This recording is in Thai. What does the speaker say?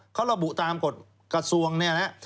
เขาระบุตามกฎกระทรวงเนี่ยนะ